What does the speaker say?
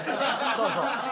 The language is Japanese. そうそう。